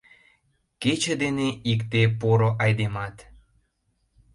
Кече дене икте поро айдемат.